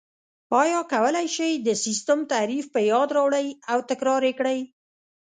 ایا کولای شئ د سیسټم تعریف په یاد راوړئ او تکرار یې کړئ؟